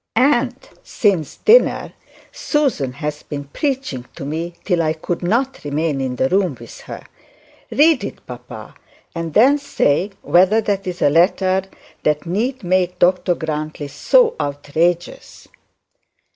And since dinner Susan has been preaching to me, till I could not remain in the room with her. Read it, papa; and then say whether that is a letter that need make Dr Grantly so outrageous.'